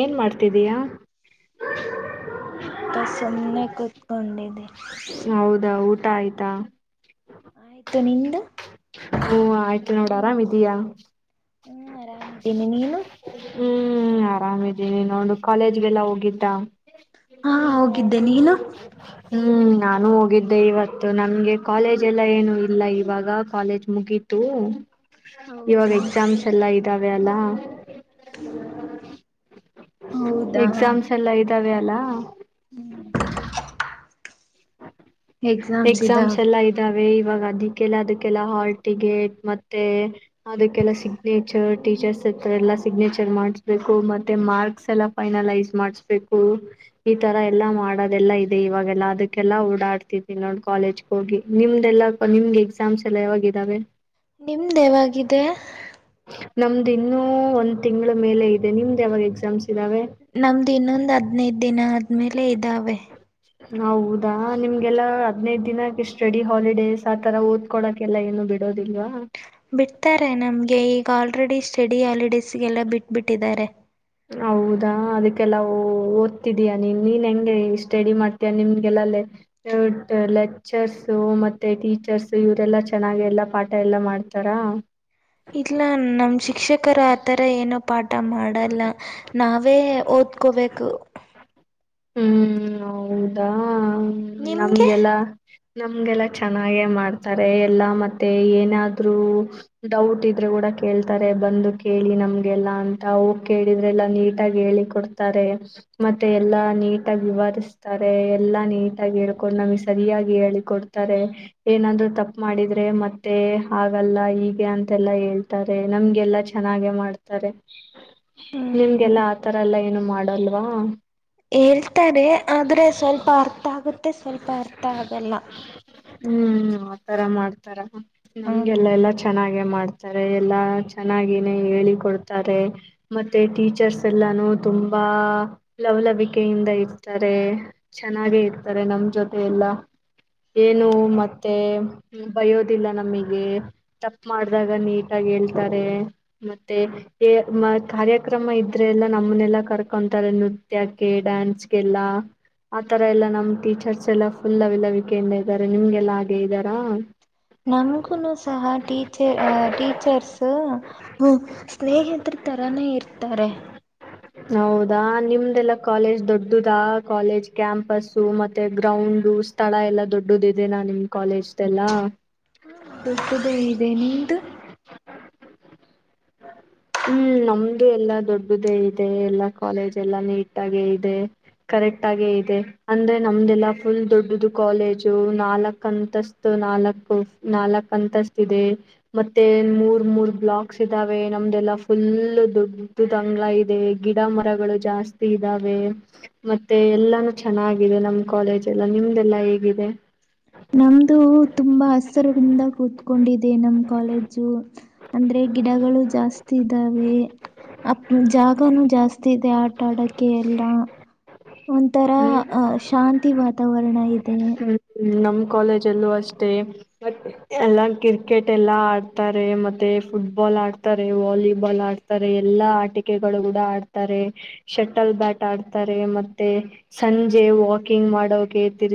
ಏನ್ ಮಾಡ್ತಿದ್ದೀಯಾ. ಪ್ಪ ಸುಮ್ನೆ ಕತ್ಕೊಂಡೆ. ಹೌದ ಹೌದ. ಊಟ ಆಯ್ತಾ. ಆಯ್ತು ನಿಂದು. ಹ್ಮ ಆಯ್ತು ನೋಡ್ ಆರಾಮಿದಯಾ. ಹ್ಮ ಆರಾಮಿದ್ದೇನಿ ನೀನು. ಹ್ಮ್ ಆರಾಮಿದ್ದೀನಿ ನೋಡು ಕಾಲೇಜ್ಗೆಲ್ಲ ಹೋಗಿದ್ದ. ಹಾ ಹೋಗಿದ್ದೆ ನೀನು. ಹ್ಮ್ ನಾನು ಹೋಗಿದ್ದೆ ಇವತ್ತು ನನ್ಗೆ ಕಾಲೇಜ್ ಎಲ್ಲ ಏನು ಇಲ್ಲ ಇವಾಗ ಕಾಲೇಜ್ ಮುಗೀತು. ಹೌದಾ. ತಾವೆಲ್ಲ. ಎಕ್ಸಾಮ್ಸ್ ಎಲ್ಲ ಇದ್ದಾವೆ. ಅಲ್ಲಾ. ಹ್ಮ್ ಹ ಇದಾವ ಎಕ್ಸಾಮ್ಸ್ ಎಲ್ಲಾ ಇದಾವ ಇವಾಗ ಅದಕ್ಕೆಲ್ಲ ಅದಕ್ಕೆಲ್ಲ ಹಾಲ್ ಟಿಕೆಟ್ ಮತ್ತೆ ಅದಕ್ಕೆಲ್ಲ ಸಿಗ್ನೇಚರ್ ಟೀಚರ್ಸ್ ಎಲ್ಲ ಸಿಗ್ನೇಚರ್ ಮಾಡಸ್ಬೇಕು ಮತ್ತೆ ಮಾರ್ಕ್ಸ್ ಎಲ್ಲ ಫೈನಲೈಸ್ ಮಾಡಸ್ಬೇಕು ಈ ತರ ಎಲ್ಲಾ ಮಾಡೋದೆಲ್ಲಾ ಇದೆ ಇವಾಗೆಲ್ಲ ಅದಕ್ಕೆಲ್ಲ ಓಡಾಡ್ತಿ ನೋ ಕಾಲೇಜ್ ಹೋಗಿ ನಿಮ್ದೆಲ್ಲಾ ನಿಮ್ಗೆ ಎಕ್ಸಾಮ್ಸ್ ಎಲ್ಲಾ ಯಾವಾಗ ಇದ್ದಾವೆ ನಿಮ್ದ ಯಾವಾಗಿದೆ ನಮ್ದು ಇನ್ನು ಒಂದ್ ತಿಂಗಳ ಮೇಲೆ ಇದೆ ನಿಮ್ದ ಯಾವಾಗ ಎಕ್ಸಾಮ್ಸ್ ಇದ್ದಾವೆ ನಮ್ದು ಇನ್ನೊಂದ್ ಹದ್ನೈದ ದಿನ ಆದ್ಮೇಲೆ ಇದಾವೆ ಹೌದಾ ನಿಮ್ಗೆಲ್ಲಾ ತ್ತು ಹದಿನೈದ್ ದಿನಕ್ಕೆ ಸ್ಟಡಿ ಹಾಲಿಡೇಸ್ ಆ ತರ ಓದ್ಕೊಳಕ್ಕೆಲ್ಲ ಏನು ಬಿಡೋದಿಲ್ವ. ಬಿಡ್ತಾರೆ ನಮ್ಗೆ ಈಗ ಆಲ್ರೆಡಿ ಸ್ಟಡಿ ಹಾಲಿಡೇಸ್ಗೆಲ್ಲ ಬಿಟ್ಬಿಟ್ಟಿದ್ದಾರೆ. ಹೌದಾ ಅದಕ್ಕೆಲ್ಲಾ ಓದ್ತಿದೀಯ ನೀನ್ ನೀನ್ ಹೆಂಗೆ ಸ್ಟಡಿ ಮಾಡ್ತೀಯ ನಿಮ್ಗೆಲ್ಲ ಲೆಕ್ಚರ್ಸ ಮತ್ತೆ ಟೀಚರ್ಸ್ ಇವರೆಲ್ಲ ಚೆನ್ನಾಗಿ ಎಲ್ಲಾ ಪಾಠ ಎಲ್ಲ ಮಾಡ್ತಾರ. ಇಲ್ಲ ನಮ್ ಶಿಕ್ಷಕರು ಆತರ ಏನು ಪಾಠ ಮಾಡಲ್ಲ ನಾವೇ ಓದ್ಕೋಬೇಕು. ಹ್ಮ್ ಹೌದಾ ಹ್ಮ ನಿಮ್ಗೆ ನಮ್ಗೆಲ್ಲ ನಮ್ಗೆಲ್ಲಾ ಚೆನ್ನಾಗೆ ಮಾಡ್ತಾರೆ ಎಲ್ಲಾ ಮತ್ತೆ ಏನಾದ್ರೂ ಡೌಟ್ ಇದ್ರೆ ಕೂಡ ಕೇಳ್ತಾರೆ. ಬಂದು ಕೇಳಿ ನಮ್ಗೆಲ್ಲಾ ಅಂತ ಹೋಗ್ ಕೇಳಿದ್ರೆಲ್ಲಾ ನೀಟಾಗಿ ಹೇಳಿ ಕೊಡ್ತಾರೆ ಮತ್ತೆ ಎಲ್ಲಾ ನೀಟಾಗಿ ವಿವರಿಸ್ತಾರೆ ಎಲ್ಲಾ ನೀಟಾಗಿ ಹೇಳ್ಕೊಂಡು ನಮ್ಗೆ ಸರಿಯಾಗಿ ಹೇಳಿ ಕೊಡ್ತಾರೆ. ಏನಾದ್ರು ತಪ್ಪು ಮಾಡಿದ್ರೆ ಮತ್ತೆ ಹಾಗಲ್ಲ ಹೀಗೆ ಅಂತೆಲ್ಲಾ ಹೇಳ್ತಾರೆ. ನಮ್ಗೆಲ್ಲಾ ಚೆನ್ನಾಗೆ ಮಾಡ್ತಾರೆ ಹ್ಮ್ ನಿಮ್ಗೆಲ್ಲಾ ಆತರ ಎಲ್ಲಾ ಏನು ಮಾಡ್ ಅಲ್ವಾ ಹೇಳ್ತಾರೆ ಆದ್ರೆ ಸ್ವಲ್ಪ ಅರ್ಥ ಆಗುತ್ತೆ ಸ್ವಲ್ಪ ಅರ್ಥ ಆಗಲ್ಲ. ಹ್ಮ್ ಆತರ ಮಾಡ್ತಾರ. ಹ್ಮ್ ನಮ್ಗೆಲ್ಲ ಎಲ್ಲಾ ಚೆನ್ನಾಗೆ ಮಾಡ್ ತರೆ ಎಲ್ಲಾ ಚೆನ್ನಾಗೆನೆ ಹೇಳಿ ಕೊಡ್ತಾರೆ ಮತ್ತೆ ಟೀಚರ್ಸ್ ಎಲ್ಲಾನು ತುಂಬಾ ಲವಲವಿಕೆ ಕೆಯಿಂದ ಇರ್ತಾರೆ ಚೆನ್ನಾಗೆ ಇರ್ತಾರೆ ನಮ್ ಜೊತೆ ಎಲ್ಲ ಏನು ಮತ್ತೆ ಬಯೋದಿಲ್ಲ ನಮಗೆ ತಪ್ ಮಾಡ್ದಾಗ ನೀಟಾಗಿ ಹೇಳ್ತಾರೆ ಮತ್ತೆ ಮ ಕಾರ್ಯಕ್ರಮ ಇದ್ರೆ ಎಲ್ಲ ನಮ್ಮನೆಲ್ಲ ಕರ್ಕೊಂತಾರೆ ನೃತ್ಯ ಕ್ಕೆ ಡ್ಯಾನ್ಸ್ ಗೆಲ್ಲಾ ಆತರ ಎಲ್ಲಾ ನಮ್ ಟೀಚರ್ಸ್ ಎಲ್ಲ ಫುಲ್ ಲವಲವಿಕೆಯಿಂದ ಇದ್ದಾರೆ ನಿಮ್ಗೆಲ್ಲಾ ಹಾಗೆ ಇದ್ದಾರ. ನಮಗುನು ಸಹ ಟೀಚರ್ ಸ್ನೇಹಿತರ್ ತರಾನೇ ಇರ್ತಾರೆ. ಹೌದಾ ನಿಮ್ದೆಲ್ಲಾ ಕಾಲೇಜ್ ದೊಡ್ಡದಾ ಕಾಲೇಜ್ ಕ್ಯಾಂಪಸು ಮತ್ತೆ ಗ್ರೌಂಡು ಸ್ಥಳ ಎಲ್ಲಾ ದೊಡ್ಡದಿದೆ ನಾ ನಿಮ್ ಕಾಲೇಜ್ದೆಲ್ಲಾ ಹ್ಮ ದೊಡ್ಡದೇ ಇದೆ ನಿಮ್ದು. ಹ್ಮ್ ನಮ್ದು ಎಲ್ಲಾ ದೊಡ್ಡದೇ ಇದೆ ಎಲ್ಲಾ ಕಾಲೇಜ್ ಎಲ್ಲಾ ನೀಟ್ ಆಗೆ ಇದೆ. ಕರೆಕ್ಟ್ ಆಗೇ ಇದೆ ಅಂದ್ರೆ ನಮ್ದಲ್ಲಾ ಫುಲ್ ದೊಡ್ಡದು ಕಾಲೇಜು ನಾಲ್ಕ್ ಅಂತಸ್ತ್ ನಾಲ್ಕ ನಾಲ್ಕ್ ಅಂತಸ್ತ್ ಇದೆ ಮತ್ತೆ ಮೂರ್ ಮೂರ್ ಬ್ಲಾಕ್ಸ್ ಇದಾವೆ ನಮ್ ಎಲ್ಲ ಫುಲ್ ದೊಡ್ದುದ್ ಅಂಗಳ ಇದೆ ಗಿಡ ಮರಗಳು ಜಾಸ್ತಿ ಇದ್ದಾವೆ ಮತ್ತೆ ಎಲ್ಲಾನು ಚೆನ್ನಾಗಿದೆ ನಮ್ ಕಾಲೇಜ ಎಲ್ಲ ನಿಮ್ದಲ್ಲಾ ಹೇಗಿದೆ. ನಮ್ದು ತುಂಬಾ ಹಸಿರಿನಿಂದ ಕೂತ್ಕೊಂಡಿದೆ ನಮ ಕಾಲೇಜು ಅಂದ್ರೆ ಗಿಡಗಳು ಜಾಸ್ತಿ ಇದ್ದಾವೆ ಅ ಜಾಗನು ಜಾಸ್ತಿ ಇದೆ ಆ ಟಾಡಕ್ಕೆ ಎಲ್ಲಾ ಒಂಥರ ಹ್ಮ್ ಅಹ ಶಾಂತಿ ವಾತಾವರಣ ಇದೆ ತ್ತೆ ನಮ್ಮ್ ಕಾಲೇಜ್ ಅಲ್ಲೂ ಅಷ್ಟೇ ಎಲ್ಲ ಕ್ರಿಕೆಟ್ ಎಲ್ಲ ಆಡ್ತಾರೆ ಮತ್ತೆ ಫುಟ್ಬಾಲ್ ಆಡ್ತಾರೆ ವಾಲಿಬಾಲ್ ಆಡ್ತಾರೆ ಎಲ್ಲಾ ಆಟಿಕೆಗಳು ಕೂಡ ಆಡ್ತಾರೆ ಶಟಲ್ ಬ್ಯಾಟ್ ಆಡ್ತಾರೆ ಮತ್ತೆ ಸಂಜೆ ವಾಕಿಂಗ್ ಮಾಡೋಕ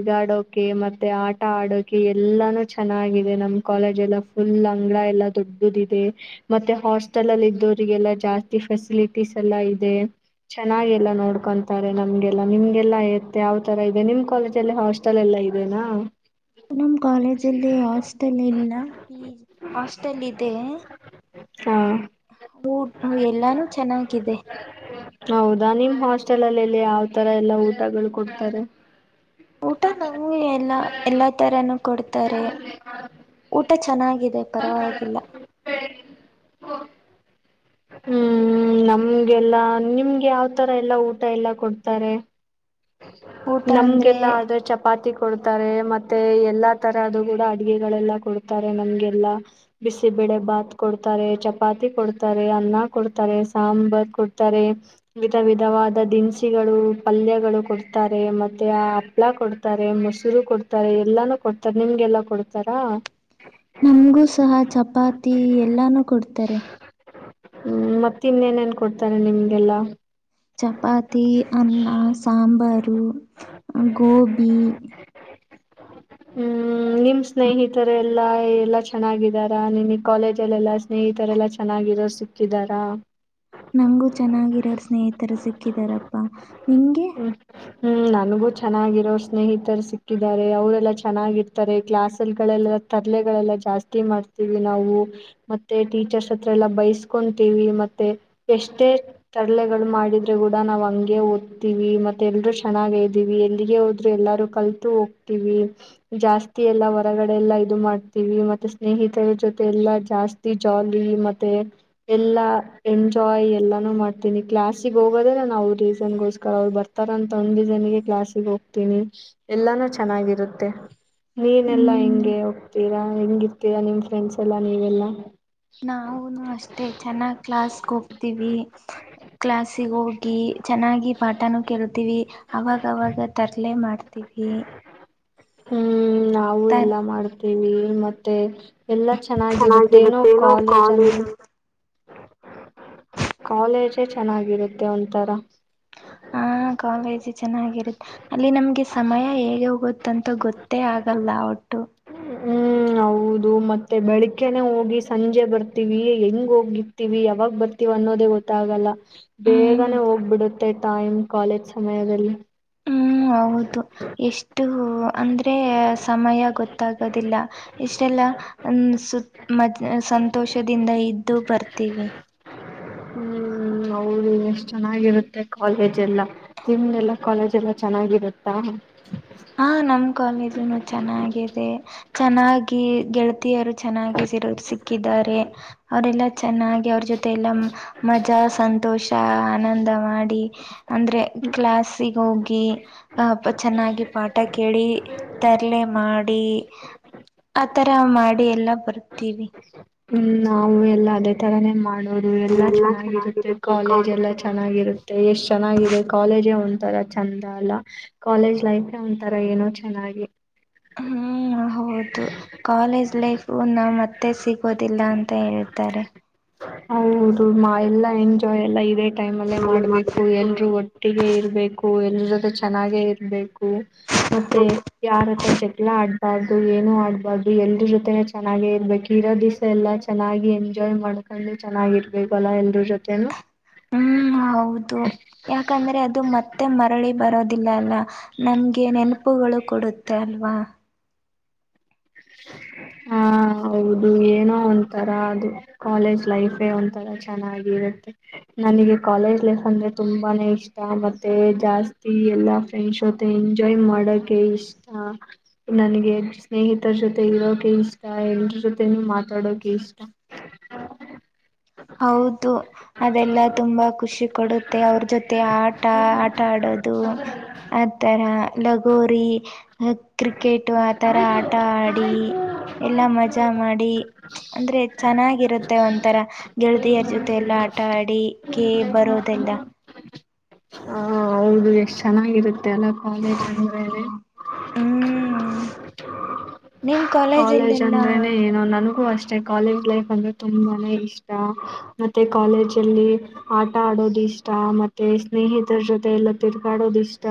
ಗಾಡೋಕೆ ಮತ್ತೆ ಆಟ ಆಡೋಕೆ ಎಲ್ಲಾನು ಚೆನ್ನಾಗಿದೆ ನಮ್ ಕಾಲೇಜ್ ಎಲ್ಲ ಫುಲ್ ಅಂಗಗಳ ಎಲ್ಲಾ ದೊಡ್ಡದ ಇದೆ ಮತ್ತೆ ಹಾಸ್ಟೆಲ್ ಅಲ್ಲಿ ಇದ್ದೋರಿಗೆಲ್ಲಾ ಜಾಸ್ತಿ ಫೆಸಿಲಿಟೀಸ್ ಎಲ್ಲಾ ಇದೆ ಚೆನ್ನಾಗ ಎಲ್ಲ ನೋಡ್ಕೊಂತಾರೆ ನಮ್ಗೆಲ್ಲಾ ನಿಮ್ಗೆಲ್ಲಾ ಎತ್ತ ಯಾವ್ ತರ ಇದೆ ನಿಮ್ ಕಾಲೇಜ್ ಮ ಹಾಸ್ಟೆಲ್ ಎಲ್ಲಾ ಇದೆನಾ ನಮ್ಮ್ ಕಾಲೇಜಲ್ಲಿ ಹಾಸ್ಟೆಲ್ ಇಲ್ ಹಾಸ್ಟೆಲ್ ಇದೆ ಹಾ ಹ ಎಲ್ಲಾನು ಚೆನ್ನಾಗಿದೆ ಹೌದಾ ನಿಮ್ ಹಾಸ್ಟೆಲ್ ಅಲ್ಲಿ ಎಲ್ಲಿ ಯಾವ್ ತರ ಎಲ್ಲಾ ಊಟಗಳು ಕೊಡ್ತಾರೆ ಊಟ ನಂಗ್ಗೆ ಎಲ್ಲಾ ಎಲ್ಲಾ ತರನು ಕೊಡ್ [unintelligible] ಊಟ ಚನ್ನ [inaudible] ಹೂ ಹ್ಮ್ ನಮ್ಗೆಲ್ಲಾ ನಿಮ್ಗೆ ಯಾವ್ತರ ಎಲ್ಲಾ ಊಟ ಎಲ್ಲಾ ಕೊಡ್ತಾರೆ ಊಟ ಅಂದ್ರೆ ನಮ್ಗೆಲ್ಲ ಆದ್ರ ಚಪಾತಿ ಕೊಡ್ತಾರೆ ಮತ್ತೆ ಎಲ್ಲಾ ತರದು ಕೂಡ ಅಡ್ಗೆಗಳೆಲ್ಲ ಕೊಡ್ತಾರೆ ನಮ್ಗೆಲ್ಲಾ ಬಿಸಿಬಳೆ ಭಾತ್ ಕೊಡ್ತಾರೆ ಚಪಾತಿ ಕೊಡ್ತ ಕೊಡ್ತಾರೆ ಅನ್ನ ಕೊಡ್ತಾರೆ ಸಾಂಬಾರ್ ಕೊಡ್ತಾರೆ ವಿಧ ವಿಧವಾದ ದಿನಸಿಗಳು ಪಲ್ಯಗಳು ಕೊಡ್ತಾರೆ ಮತ್ತೆ ಆ ಹಪ್ಳ ಕೊಡ್ತಾರೆ ಮೊಸರು ಕೊಡ್ತಾರೆ ಎಲ್ಲಾನು ಕೊಡ್ತಾರೆ ನಿಮ್ಗೆಲ್ಲ ಕೊಡ್ತಾರಾ ನಮಗೂ ಸಹ ಚಪಾತಿ ಎಲ್ಲಾನೂ ಕೊಡ್ತಾರೆ ಹ್ಮ್ ಮತ್ತ ಇನ್ನೇನೇನ್ ಕೊಡ್ತಾರೆ ನಿಮ್ಗೆಲ್ಲಾ ಚಪಾತಿ ಅನ್ನ ಸಾಂಬಾರು ಗೋಬಿ ಹ್ಮ್ ್ಮ ನಿಮ್ ಸ್ನೇಹಿತರೆಲ್ಲ ಎಲ್ಲ ಎಲ್ಲಾ ಚೆನ್ನಾಗಿದಾರಾ ನಿನ್ಗೆ ಕಾಲೇಜ ಅಲ್ಲ ಎಲ್ಲಾ ಸ್ನೇಹಿತರೆಲ್ಲಾ ಚೆನ್ನಾಗ ಸಿಕ್ಕಿದಾರಾ ನಂಗೂ ಚೆನ್ನಾಗಿರೋರ್ ಸ್ನೇಹಿತರು ಸಿಕ್ಕಿದಾರಪ್ಪಾ ನಿಂಗೆ ಹ್ಮ್ ಹ್ಮ್ ನನಗೂ ಚೆನ್ನಾಗಿರೋ ಸ್ನೇಹಿತರು ಸಿಕ್ಕಿದ್ದಾರೆ ಅವರೆಲ್ಲಾ ಚೆನ್ನಾಗಿರ್ತಾರೆ ಕ್ಲಾಸ್ಲ್ ಗಳೆಲ್ಲ ತರ್ಲೆಗಳೆಲ್ಲ ಜಾಸ್ತಿ ಮಾಡ್ತೀವಿ ನಾವು ಮತ್ತೆ ಟೀಚರ್ಸ್ ಹತ್ರ ಎಲ್ಲಾ ಬಯ ಸ್ಕೊಂತೀವಿ ಮತ್ತೆ ಎಷ್ಟೇ ತರ್ಲೆಗಳು ಮಾಡಿದ್ರೆ ಕೂಡ ನಾವ್ ಹಗೆ ಓದ್ತೀವಿ ಮತ್ತೆ ಎಲ್ರೂ ಚೆನ್ನಾಗ ಇದ್ದೀವಿ ಎಲ್ಲಿಗೆ ಹೋದ್ರರು ಎಲ್ಲಾರೂ ಕಲ್ತು ಹೋಗ್ತೀವಿ ಜಾಸ್ತಿ ಎಲ್ಲಾ ಹೊರಗಡೆ ಎಲ್ಲಾ ಇದು ಮಾಡ್ತೀವಿ ಮತ್ತೆ ಸ್ನೇಹಿತರ ಜೊತೆ ಎಲ್ಲಾ ಜಾಸ್ತಿ ಜಾಲಿ ಮತ್ತೆ ಎಲ್ಲಾ ಎಂಜಾಯ್ ಎಲ್ಲಾನು ಮಾಡ್ತೀನಿ ಕ್ಲಾಸಿಗೆ ಹೋಗೋದೇ ನಾನು ಅವ್ರ ರೀಸನ್ಗೋಸ್ಕರ ಅವ್ರು ಬರ್ತಾರಂತ ಒಂದ್ ರೀಸನ್ಗೆ ಕ್ಲಾಸಿಗೆ ಹೋಗ್ತೀನಿ ಎಲ್ಲಾನೂ ಚೆನ್ನಾಗಿರುತ್ತೆ ನೀನೆಲ್ಲಾ ಹ್ಮ್ ಹೆಂಗೆ ಹೋಗ್ತೀರಾ ಹೆಂಗಿರ್ತೀರಾ ನಿಮ್ ಫ್ರೆಂಡ್ಸ್ ಎಲ್ಲಾ ನೀವೆಲ್ಲಾ ಮ ಚೆನ್ನಾಗ್ ಕ್ಲಾಸ್ಗೆ ಹೋಗ್ತೀವಿ ಕ್ಲಾಸಿಗ ಹೋಗಿ ಚೆನ್ನಾಗಿ ಪಾಠನು ಕೇೇಳತಿವಿ ಅವಾಗವಾಗ ತರ್ಲಿ ಲೆ ಮಾಡ್ತೀವಿ ಹ್ಮ. ನಾವು ತರ್ ಎಲ್ಲ ಮಾಡ್ತವಿ ವಿ ಮತ್ತೆ ಎಲ್ಲ ಚೆನ್ನಾಗಿರುತ್ತೇನೋ ಕಾಲೇಜ್ ಅಂದ್ರೆ ಕಾಲೇಜೇ ಚೆನ್ನಾಗಿರುತ್ತೆ ಒಂಥರ ಆ ಕಾಲೇಜು ಚೆನ್ನಾಗಿರುತ್ತೆ ಅಲ್ಲಿ ನಮ್ಗೆ ಸಮಯ ಹೇಗೆ ಹೋಗುತ್ತಂತ ಗೊತ್ತೇ ಆಗಲ್ಲ ಒಟ್ಟು ಹ್ಮ್ ಹೌದು ಮತ್ತೆ ಬೆಳಗ್ಕನೆೇ ಹೋಗಿ ಸಂಜೆ ಬರ್ತೀವಿ ಹೆಂಗ ಹೋಗಿರ್ತಿೀವಿ ಯಾವಾಗ ಬರ್ತೀವ ಅನ್ನೋದೇ ಗೊತ್ತಾಗಲ್ಲ ಹ್ಮ್ ಬೇಗನೆ ಹೋಗ್ಬಿಡುತ್ತೆ ಟೈಮ್ ಕಾಲೇಜ್ ಸಮಯದಲ್ಲಿ ಹ್ಮ್ ಹೌದು ಎಷ್ಟು ಅಂದ್ರೆ ಸಮಯ ಗೊತ್ತಾಗೋದಿಲ್ಲ ಎಷ್ಟೆಲ್ಲ ಸತ್ ಮ್ ಸಂತೋಷದಿಂದ ಇದ್ದು ಬರ್ತೀವಿ ಹ್ಮ್ ಅವದು ಎಷ್ಟ್ ಚೆನ್ನಾಗಿರುತ್ತೆ ಕಾಲೇಜ್ ಎಲ್ಲ [unintelligible] ಎಲ್ಲ ಕಾಲೇಜ್ ಬ ಚೆನ್ನಾಗಿರುತ್ತೆ ಹಾ ಹ ನಮ ಕಾಲೇಜುನು ಚೆನ್ನಾಗಿದೆ ಚೆನ್ನಾಗಿ ಗೆಳ ತಿಯರು ಚೆನ್ನಾಗಿರು ಸಿಕ್ಕಿದ್ದಾರೆ ಅವರೆಲ್ಲಾ ಚೆನ್ನಾಗಿ ಅವ್ರ ಜೊತೆ ಎಲ್ಲ ಮಜಾ ಸಂತೋಷ ಆನಂದ ಮಾಡಿ ಅಂದ್ರೆ ಕ್ಲಾಸ್ಿಗೆ ಹೋಗಿ ಚೆನ್ನಾಗಿ ಟ ಕೇಳಿ ತರ್ಲೆ ಮಾಡಿ ಆ ತರ ಮಾಡಿ ಎಲ್ಲಾ ಬರುತ್ತ ಹ ಹ್ಮ್ ನಾವು ಎಲ್ಲಾ ಅದೇ ತರಾನೇ ಮಾಡ ಅವರು ಎಲ್ಲ ಚೆನ್ನಾಗಿರುತ್ತೆ ಕಾಲೇಜ್ ಎಲ್ಲ ಚೆನ್ನಾಗಿರುತ್ತೆ ಎಷ್ಟ್ ಚೆನ್ನಾಗಿದೆ ಕಾಲೇಜೇ ಒಂಂತರ ಚಂದ ಅಲ್ಲ ಕಾಲೇಜ್ ಲೈಫ್ ಒಂತರ ಏನೋ ಚೆನ್ನಾಗಿ ಹ್ಮ್ ಹೌದು ಕಾಲೇಜ್ ಲೈಫ್ ನ ಮತ್ತೆ ಮತ್ತೆ ಸಿಗೋದಿಲ್ಲ ಅಂತ ಹೇಳ್ತಾರೆ ಹೌದು ಮಾ ಎಲ್ಲ ಎಂಜಾಯ್ ಎಲ್ಲ ಇದೆ ಟೈಮ್ ಅಲ್ಲೇ ಆಮೇಲೆ ಮಾಡ್ಬೇಕು ಎಲ್ರೂ ಏನ್ ಒಟ್ಟಿಗೆ ಇರಬೇಕು ಇದ್ರ ಜೊತೆ ಚೆನ್ನಾಗೆ ಇರ್ಬೇಕು ಮತ್ತೆ ಯಾರತ್ರ ಜಗಳ ಅಡ್ ಬಾರು ಏನು ಆಡ್ಬಾರ್ದು ಎಲ್ರ ಜೊತೆನೆ ಚೆನ್ನಾಗೇ ಇರ್ಬೇಕು ತರೋ ದಿವಸ ಎಲ್ಲಾ ಚೆನ್ನಾಗಿ ಎಂಜಾಯ್ ಮಾಡ್ಕೊಂಡು ಚೆನ್ನಾಗಿರ್ಬೇಕು ಅಲ್ಲಾ ಎಲ್ರೂ ಜೊತೆ ಹ್ಮ್ ಹೌದು ಯಾಕಂದ್ರೆ ಅದು ಮತ್ತೆ ಮರಳಿ ಬರೋದಿಲ್ಲ ಅಲ್ಲ ನಮ್ಗೆ ನೆನಪುಗಳು ಕೊಡುತ್ತೆ ತಲ್ವಾ ಹಾ ಹೌದು ಏನೋ ಒಂಂತರ ಅದು ಕಾಲೇಜ್ ಲೈಫೇ ಒಂಂತರ ಚೆನ್ನಾಗಿರುತ್ತೆ ನನಗೆ ಕಾಲೇಜ್ ಲೈಫ್ ಅಂದ್ರೆ ತುಂಬಾನೇ ಇಷ್ಟ ಮತ್ತೆ ಜಾಸ್ತಿ ಎಲ್ಲಾ ಫ್ರೆಂಡ್ಸ್ ಜೊತೆ ಎಂಜಾಯ್ ಮಾಡಕ ಇಷ್ಟ ನನಗೆ ಸ್ನೇಹಿತ ಅರ ಜೊತೆ ಇರೋಕೆ ಇಷ್ಟ ಎಲ್ರ ಜೊತೆ ನೀ ಮಾತಾಡೋಕೆ ಇಷ್ಟ ಅದೆಲ್ಲಾ ತುಂಬಾ ಖುಷಿ ಕೊಡುತ್ತೆ ಅವ್ರ ಜೊತೆ ಮತ್ತೆ ಆಟ ಆಟ ಆಡೋದು ಆ ತರ ಲಗೋರಿ ಕ್ರಿಕೆಟು ಆತರ ಆಟ ಆಡಿ ಎಲ್ಲಾ ಮಜಾ ಮಾಡಿ ಅಂದ್ರೆ ಚೆನ್ನಾಗಿರುತ್ತೆ ಒಂಥರ ಹಳದಿಯರ್ ಜೊತೆ ಎಲ್ಲಾ ಆಟ ಆಡಿಿಕ ಬರೋದೆಲ್ಲ ಹ ಹೌದು ಎಷ್ಟ್ ಚೆನ್ನಾಗಿರುತ್ತೆ ತ್ತಲ್ಲ ಕಾಲೇ ಹ್ಮ್ ಚಂದೇನೆ ನಿಮ್ ಕಾಲೇಜ್ ಅಂದ್ರನನೆ ಕಾಲೇಜಲ್ಲೆಲ್ಲಾ ಏನುೋ ನನಗೂ ಅಷ್ಟೇ ಕಾಲೇಜ್ ಲೈಫ್ ಅಂದ್ರೆ ತುಂಬಾನೇ ಇಷ್ಟ ಮತ್ತೆ ಕಾಲೇಜ್ ಅಲ್ಲಿ ಆಟ ಆಡೋದು ಇಷ್ಟ ಮತ್ತೆ ಸ್ನೇಹಿತರ ಜೊತೆ ಎಲ್ಲ ತಿರುಗಾಡೋದ ಇಷ್ಟ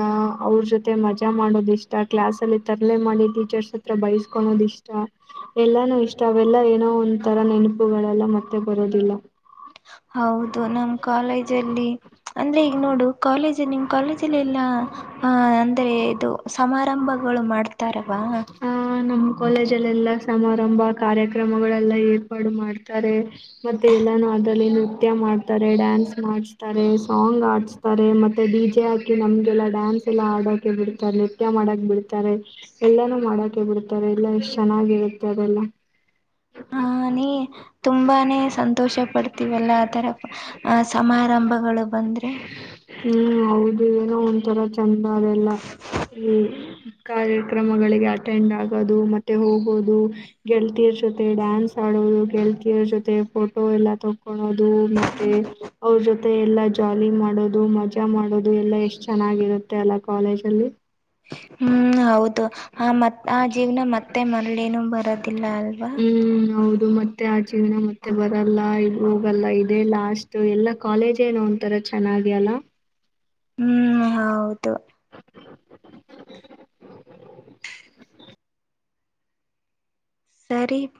ಅವ್ರ ಜೊತೆ ಮಜಾ ಮಾಡೋದ ಇಷ್ಟ ಕ್ಲಾಸ್ ಲ್ಲಿ ತರಲೆ ಮಾಡಿ ಟೀಚರ್ಸ್ ಹತ್ರ ಬಯಸ್ಕೊಳೋದ ಇಷ್ಟ ಎಲ್ಲಾನೂ ಇಷ್ಟ ಅವೆಲ್ಲಾ ಏನೋ ಒಂ ತರ ನೆನಪುಗಳೆಲ್ಲ ಮತ್ತೆ ಬರೋದಿಲ್ಲ ಹೌದು ನಮ್ ಕಾಲೇಜಲ್ಲಿ ಅಂದ್ರೆ ಈಗ ನೋಡು ಕಾಲೇಜ ನಿಮ್ ಕಾಲೇಜಲ್ಲಿ ಎಲ್ಲ ಅ ಅಂದ್ರೆ ಇದು ಸಮಾರಂಭ ಗಳು ಮಾಡ್ತಾರವಾ ನಮ್ಮ್ ಕಾಲೇಜಲ್ಲೆಲ್ಲಾ ಸಮಾರಂಭ ಕಾರ್ಯಕ್ರಮಗಳೆಲ್ಲ ಏರ್ಪಾಡು ಮಾಡ್ತಾರೆ ಮತ್ತೆ ಎಲ್ಲ ನೋಡಳನು ನೃತ್ಯ ಮಾಡ್ತಾರೆ ಡ್ಯಾನ್ಸ್ ಮಾಡಸ್ತಾರೆ ಸಾಂಗ್ ಆಡ್ಸ್ತಾರೆ ಮತ್ತೆ ಡಿಜೆ ಹಾಕಿ ನಮ್ಗೆಲ್ಲ ಡಾನ್ಸ್ ಎಲ್ಲಾ ಆಡೋಕೆ ಬಿಡ್ತಾರೆ ನೃತ್ಯ ಮಾಡಕ ಬಿಡ್ತಾರೆ ಎಲ್ಲಾನು ಮಾಡಕೆ ಬಿಡ್ತಾರೆ ಎಲ್ಲ ಎಷ್ಟ್ ಚೆನ್ನಾಗಿರುತ್ತೆ ಅದೆಲ್ಲ ಹ ನೀ ತುಂಬಾನೇ ಸಂತೋಷ ಪಡ್ತೀವಲ್ಲ ಆ ತರ ಸಮಾರಂಭಗಳು ಬಂದ್ರೆ ಹ್ಮ್ ಹೌದು ನ ಒಂಥರ ಚಂದ ಅದೆಲ್ಲ ಈ ಕಾರ್ಯಕ್ರಮಗಳಿಗೆ ಅಟೆಂಡ್ ಆಗೋದು ಮತ್ತೆ ಹೋಗೋದು ಗೆಳತಿಯರ ಜೊತೆ ಡ್ಯಾನ್ಸ್ ಆಡೋದು ಗೆಳತಿಯರ ಜೊತೆ ಫೋಟೋ ಎಲ್ಲ ತಕೊಳೋದು ಮತ್ತೆ ಅವ್ರ ಜೊತೆ ಎಲ್ಲ ಜಾಲಿ ಮಾಡೋದು ಮಜಾ ಮಾಡೋದು ಎಲ್ಲ ಎಷ್ಟು ಚೆನ್ನಾಗಿರುತ್ತೆ ಅಲ್ಲ ಕಾಲೇಜಲ್ಲಿ ಹ್ಮ ಹೌದು ಹೌ ಆ ಮತ್ ಆ ಜೀವ್ನ ಮತ್ತೆ ಮರಳೇನು ಬರೋದಿಲ್ಲ ಅಲ್ವಾ ಇದು ಮತ್ತೆ ಆ ಜೀವನ ಮತ್ತೆ ಬರಲ್ಲ ಇಲ್ಲಿ ಹೋಗಲ್ಲ ಇದೆ ಲಾಸ್ಟ್ ಎಲ್ಲಾ ಕಾಲೇಜ ಏನೋ ಒಂತರ ಚೆನ್ನಾಗಿ ಅಲ್ಲ ಹ್ಮ್ ಹೌದು ಸರಿೀಪ್